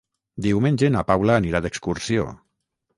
Diumenge na Paula anirà d'excursió.